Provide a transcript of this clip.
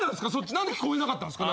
何で聞こえなかったんすか？